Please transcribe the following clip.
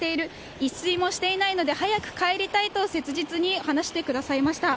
一睡もしていないので早く帰りたいと切実に話してくださいました。